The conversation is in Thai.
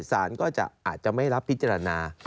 สารก็อาจจะไม่รับพิจารณา